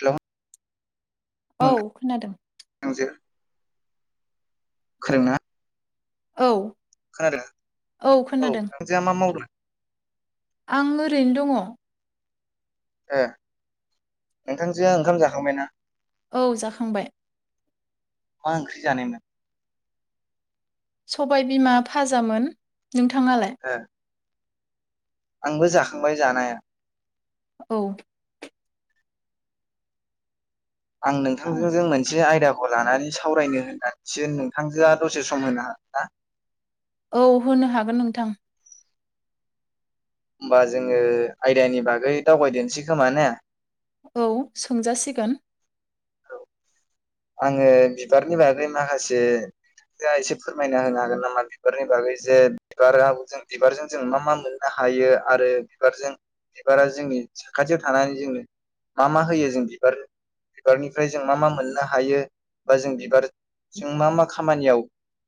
Hello. औ खोनादों। [unintelligible] फोरोंना औ। खोनादों औ [unintelligible] मा मावदों। आं ओरैनो दङ। ए नोंथांजोआ ओंखाम जाखांबायना? औ जाखांबाय। मा ओंख्रि जानायमोन? सबाय बिमा फाजामोन। नोंथाङालाय? ए आंबो जाखांबाय जानाया। औ। आं नोंथांजोजों मोनसे आयदा खौ लानानै सावरायनो होननानैसो नोंथांजोआ दसे सम होनो हागोन ना? औ होनो हागोन नोंथां। होमबा जोङो आयदानि बागै दावबायदोनसै खोमा ने? औ सोंजासिगोन। आङो बिबारनि बागै माखासे जा एसे फोरमायना होनो हागोन नामा बिबारनि बागै जे बिबारा जों बिबारजों जों मा मा मोननो हायो आरो बिबारजों बिबारा जोंनि साखाथियाव थानानै जोंनो मा मा होयो जों बिबार बिबारनिफ्राय जों मा मा मोन नो हायो बा जों बिबारजों मा मा खामानियाव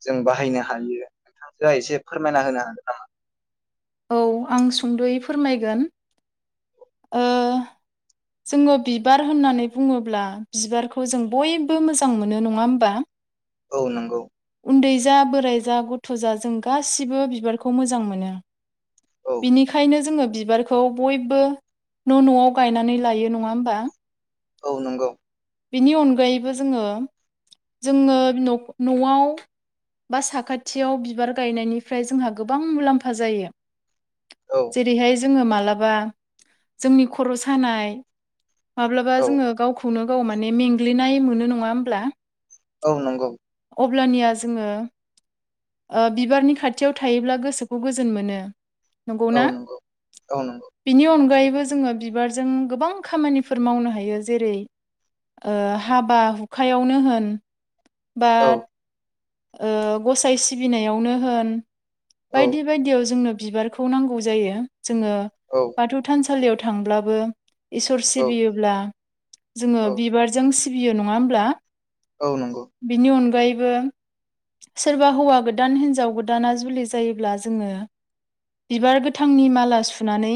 जों बाहायनो हायो नोंथांजोआ एसे फोरमायना होनो हागोन नामा? औ आं सुंद'यै फोरमायगोन। ओ जोङो बिबार होननानै बुङोब्ला बिबारखौ जों बयबो मोजां मोनो। नङा होमबा? औ नोंगौ। उन्दै जा बोराय जा गथ' जा जों गासिबो बिबारखौ मोजां मोनो। औ बिनिखायनो जोङो बिबारखौ बयबो न' न'आव गायनानै लायो। नङा होमबा। औ नंगौ। बेनि अनगायैबो जोङो जोङो न'आव बा साखाथियाव बिबार गायनायनिफ्राय जोंहा गोबां मुलाम्फा जायो। औ जेरैहाय जोङो मालाबा जोंनि खर' सानाय। माब्लाबा औ जोङो गावखौनो गाव माने मेंग्लिनाय मोनो नङा होमब्ला। औ नंगौ। अब्लानिया जोङो ओ बिबारनि खाथियाव थायोब्ला गोसोखौ गोजोन मोनो। नंगौना? औ नंगौ औ नंगौ बिनि अनगायै बो जोङो बिबारजों गोबां खामानिफोर मावनो हायो। जेरै ओ हाबा हुखायावनो होन बा औ ओ गसाइ सिबिनायावनो होन औ बायदि बायदियाव जोंनो बिबारखौ नांगौ जायो। जोङो औ बाथौ थानसा लियाव थांब्लाबो इसोर सिबियोब्ला जोङो औ बिबारजों सि सिबियो नङा होमब्ला। औ नंगौ। गायैबो सोरबा हौवा गोदान हिनजाव गोदाना जुलि जायोब्ला जोङो बिबार गोथांनि माला सुनानै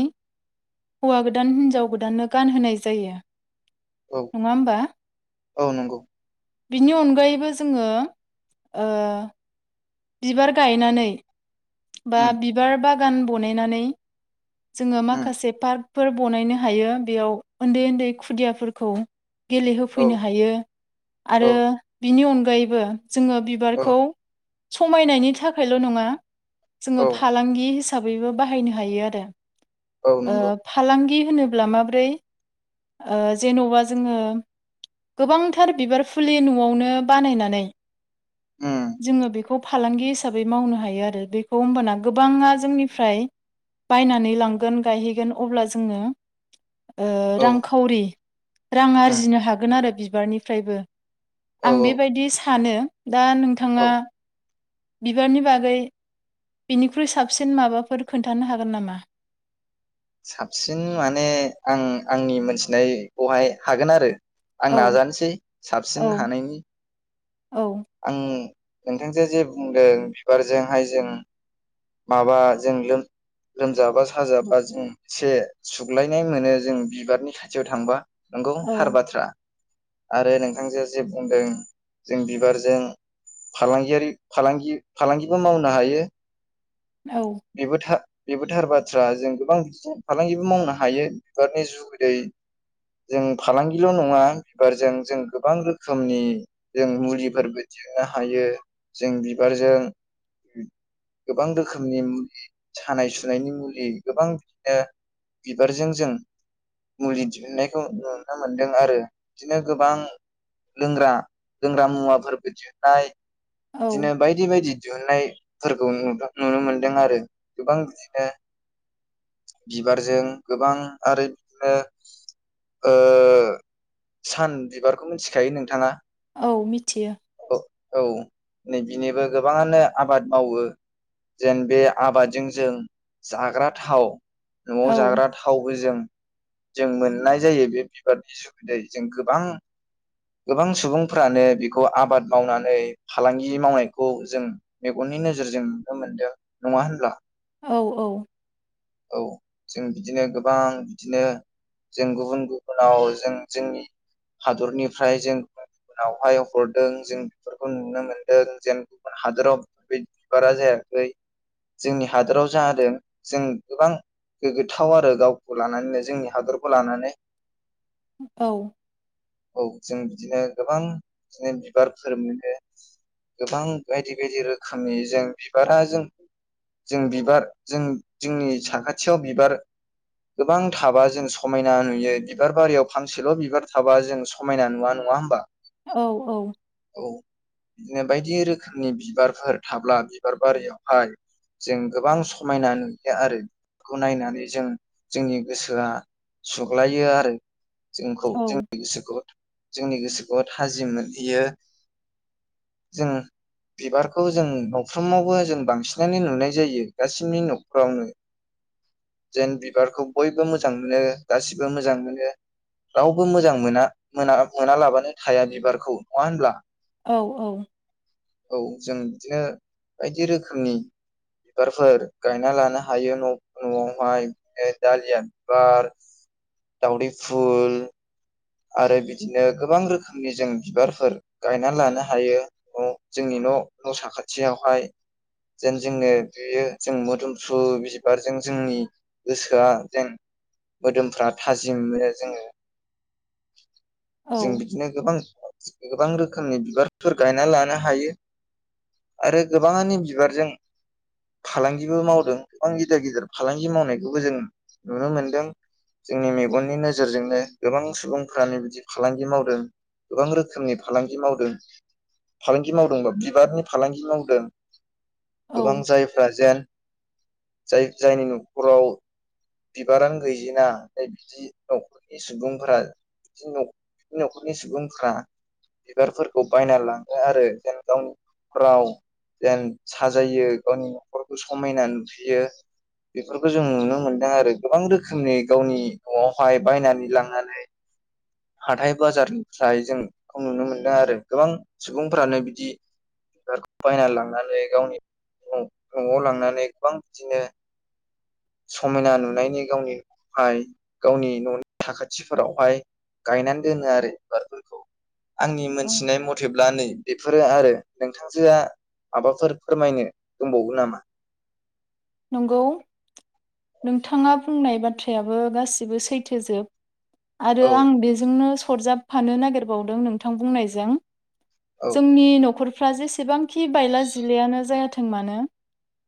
हौवा गोदान हिनजाव गोदाननो गानहोनाय जायो। औ नङा होमबा औ नंगौ। बिनि अनगायैबो जोङो ओ बिबार गायनानै बा उम बिबार बा गान बनायनानै जोङो उम माखासे पार्क फोर बनायनो हायो बेयाव उन्दै उन्दै खुदियाफोरखौ औ गेलेहोफैनो हायो औ आरो बिनि अनगा गायबो जोङो औ बिबारखौ समायनायनि थाखायल' नङा जोङो औ फालांगि हिस हिसाबैबो बाहायनो हायो आरो औ ओ नंगौ फालांगि होनोब्ला माब्रै ओ जेन'बा जोङो गोबांथार बिबार फुलि न'आवनो बानायनानै उम जोङो बेख बेखौ फालांगि हिसाबै मावनो हायो आरो बेखौ हबाना गोबाङा जोंनिफ्राय बायनानै लांगोन गायहैगोन अब्ला जोङो ओ औ रांखावरि रां उम आरजिनो हागोन आरो बि बिबारनिफ्रायबो औ आं औ बेबायदि स सानो दा औ नोंथाङा बिबारनि बागै बिनिख्रुइ साबसिन माबाफोर खोन्थानो हागोन नामा? साबसिन माने आं आंनि मोनथिनायखौहाय हागोन आरो आं औ नाजानोसै साबसिन औ हानायनि औ आं नोंथांजो जे बुंदों बिबारजोंहाय जों माबा जों लोम लोमजाबा साजाबा जों एसे सुग्लायनाय मोनो जों बिबारनि खाथियाव थांबा नंगौ थार औ बाथ्रा आरो नोंथांजों जे बुंदों जों बिबार जों फालांगियारि फालांगि फालांगिबो मावनो हायो औ बेबो था बेबो थार बाथ्रा जों गोबां बि फालांगिबो मावनो हायो बिबारनि जुगैदै जों फालांगिल' नङा बिबारजों जों गोबां रोखोमनि जों मुलिफोरबो दिहनो हायो जों बिबारजों गोबां रोखोम नि मुलि सानाय सुनायनि मुलि गोबां बिदिनो बिबारजों जों मुलि दिहुननायखौ नुनो मोनदों आरो बिदिनो गोबां लोंग्रा लोंग्रा मुवाफोरबो दिहुननाय बिदिनो औ बायदि बायदि दिहुननायफोरखौ नुदों नुनो मोनदों आरो गोबां बिदिनो बिबारजों गोबां आरो बिदिनो सान बिबारखौ मिथिखायो नोंथाङा औ मिथियो औ नै बिनिबो गोबाङानो आबाद मावो जेन बे आबादजों जों जाग्रा थाव न'आव औ जाग्रा थावबो जों जों मोननाय जायो बे बिबारनि सुबिदायै जों गोबां गोबां सुबुंफ्रानो बेखौ आबाद मावनानै फालांगि मावनायखौ जों मेगननि नोजोरजों नुनो मोनदों नङा होनब्ला? औ औ। औ जों बिदिनो गोबां बिदिनो जों गुबुन गुबुनाव जों जोंनि हादरनिफ्राय जों गुबुन गुबुनावहाय हरदों जों बेफोरखौ नुनो मोन्दों जेन गुबुन हादराव बे बिबारा जायाखै जोंनि हादोराव जादों जों गोबां गोग्गोथाव आरो गावखौ लानानैनो जोंनि हादरखौ लानानै। औ। औ जों बिदिनो गोबां बिदिनो बिबारफोर मोनो गोबां बायदि बायदि रोखोमनि जों बिबारा जों जों बिबार जों जोंनि साखाथियाव बिबार गोबां थाबा जों समायना नुयो बिबार बारियाव फानसेल' बिबार थाबा जों समायना नुवा नङा होमबा? औ औ। औ बिदिनो बायदि रोखोमनि बिबारफोर थाब्ला बिबार बारियावहाय जों गोबां समायना नुयो आरो बिखौ नायनानै जों जोंनि गोसोआ सुग्लायो आरो जोंखौ औ जोंनि गोसोखौ जोंनि गोसोखौ थाजिम मोन बियो जों बिबारखौ जों नफ्रोमावबो जों बांसिनानो नुनाय जायो गासिनि नखरावनो जेन बिबारखौ बयबो मोजां मोनो गासिबो मोजां मोनो रावबो मोजां मोना मोनालाबानो थाया बिबारखौ। नङा होनब्ला? औ औ। औ जों बिदिनो बायदि रोखोमनि बिबारफोर गायना लानो हायो न'न'आवहाय दालिया बिबार दावदै फुल आरो बिदिनो गोबां रोखोमनि जों बिबारफोर गायनानै लानो हायो न' जोंनि न' न' साखाथियावहाय जेन जोंनो बेयो जों मोदोमफ्रु बिबारजों जोंनि गोसोआ जेन मोदोमफ्रा थाजिम मोनो जोङो। [unintelligible] औ जों बिदिनो गोबां गोबां रोखोमनि बिबारफोर गायना लानो हायो आरो गोबाङानि बिबारजों फालांगिबो मावदों गोबां गिदिर गिदिर फालांगि मावनायखौबो जों नुनो मोनदों जोंनि मेगननि नोजोरजोंनो। गोबां सुबुंफ्रानो बिदि फालांगि मावदों गोबां रोखोमनि फालांगि मावदों फालांगि मावदोंबा बिबारनि फालांगि मावदों। गोबां औ जायफ्रा जेन जाय जायनि न'खराव बिबारानो गैजेना जाय बिदि नखरनि सुबुंफोरा बि बि नखरनि सुबुंफोरा बिबारफोरखौ बायनानै लाङो आरो जेन गावनि न'खराव जेन साजायो गावनि न'खरखौ समायना नुहोयो बेफोरखौ जों नुनो मोनदों आरो गोबां रोखोमनि गावनि न'आवहाय बायनानै लांनानै हाथाय बाजारनिफ्राय जों बेखौ नुनो मोनदों आरो गोबां सुबुंफ्रानो बिदि बिबारखौ बायना लांनानै गावनि न'न'आव लांनानै गोबां बिदिनो समायना नुनायनि गावनिफाय गावनि न'नि साखाथिफोरावहाय गायनानै दोनो आरो बिबारफोरखौ। आंनि मोनथिनाय मथेब्ला नै बेफोरो आरो नोंथांजोआ माबाफोर फोरमायनो दंबावो नामा? नंगौ नोंथाङा बुंनाय बाथ्रायाबो गासिबो सैथोजोब। आरो औ आं बेजोंनो सरजाबफानो नागिरबावदों नोंथां बुंनायजों औ जोंनि नखर फ्रा जेसेबां खि बायला जिलायानो जायाथों थों मानो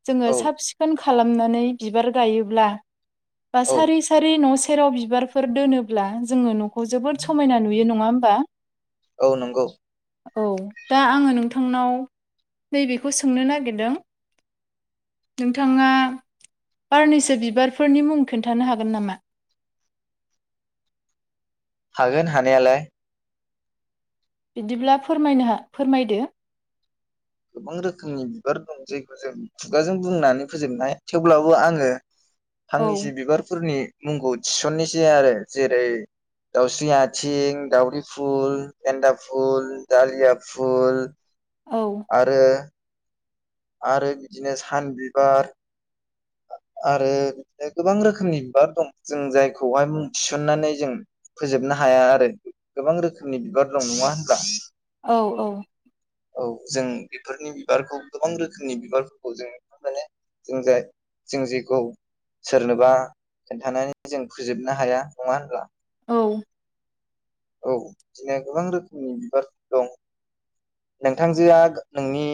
जोङो औ साब सि खालामनानै बिबार गायोब्ला बा औ सारि सारि न'से सेराव बिबारफोर दोनोब्ला जोङो न'खौ जोबोद समायना नुयो नङा होमबा? औ नंगौ। औ दा आङो नोंथांनाव नैबेखौ सोंनो नागिरदों नोंथाङा बारनैसो बिबारफोरनि मुं खोन्थानो हागोन नामा? हागोन हानायालाय बिदिब्ला फोरमायनो हा फोरमायदो गोबां रोखोमनि बिबार दं जायखौ जों खुगाजों बुंनानै फोजोबनाय थेवब्लाबो आङो औ फांनैसो बिबारफोरनि मुंखौ थिसननोसै आरो जेरै दाउस्रि आथिं, दाउदि फुल, एन्दा फुल दालिया फुल औ आरो आरो बिदिनो सान बिबार आरो बिदिनो गोबां रोखोमनि बिबार दं जों जायखौहाय मुं थिसननानै जों फोजोबनो हाया आरो गोबां रोखोमनि बिबार दं नङा होनब्ला? औ औ औ जों बेफोरनि बिबारखौ गोबां रोखोमनि बिबारफोरखौ जों माने जों जाय जों जेखौ सोरनोबा खोन्थानानै जों फोजोबनो हाया नङा होनब्ला? औ औ बिदिनो गोबां रोखोमनि बिबारफोर दं। नोंथांजोआ नोंनि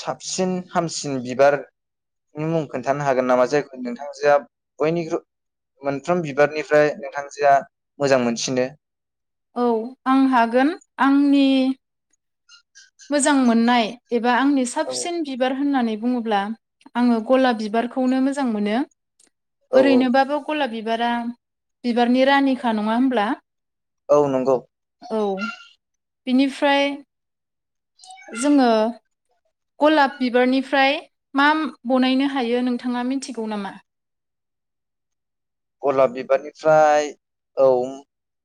साबसिन हामसिन बिबारनि मुं खोन्थानो हागोन नामा जायखौ नोंथांजोआ बयनिख्रुइ मोनथाम बिबारनिफ्राय नोंथांजोआ मोजां मोनसिनो? औ आं हागोन आंनि मोजां मोननाय बेफ एबा आंनि औ साबसिन बिबार होननानै बुङोब्ला आङो गलाब बिबारखौनो मोजां मोनो। औ ओरैनोबाबो गलाब बिबारा बिबारनि रानिखा नङा होमब्ला? औ नंगौ। औ बिनिफ्राय जोङो गलाब बिबारनिफ्राय माम बनायनो हायो नोंथाङा मिनथिगौ नामा? गलाब बिबारनिफ्राय औ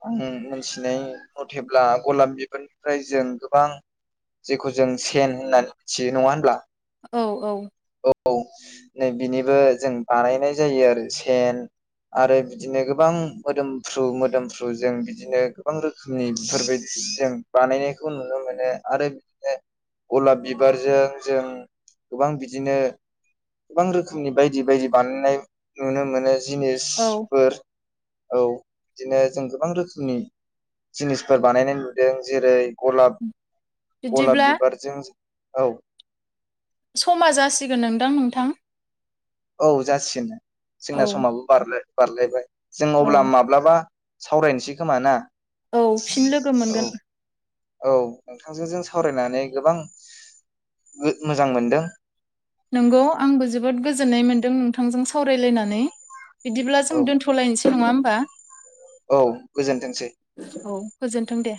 आं मोनथिनाय मथेब्ला गलाब बिबारनिफ्राय जों गोबां जेखौ जों सेन होननानै मिथियो नङा होनब्ला? औ औ औ नै बिनिबो जों बानायनाय जायो आरो सेन आरो बिदिनो गोबां मोदोमफ्रु मोदोमफ्रु जों बिदिनो गोबां रोखोमनि बेफोरबायदि जों बानायनायखौ नुनो मोनो आरो बिदिनो गलाब बिबारजों जों गोबां बि दिनो गोबां रोखोमनि बायदि बायदि बानायनाय नुनो मोनो। औ जिनिसफोर औ बिदिनो जों गोबां रोखोमनि जिनिसफोर बानायनाय नुदों। जेरै गलाब गलाब बिदिब्ला बिबारजों औ समा जासिगोन नोंदां नोंथां औ जासिनदां औ जोंना समाबो बारनाय बारलायबाय जों औ अब्ला माब्लाबा सावरायनोसै खोमा ना? औ फिन लोगो औ मोनगोन औ नोंथांजों जों सावरायनानै गोबां मो-मोजां मोनदों। नंगौ आंबो जोबोद गोजोननाय मोन्दों नोंथांजों सावरायलायनानै। बिदिब्ला जों औ दोन्थ'लायनोसै नङा होन बा औ गोजोनथोंसै। थों दे।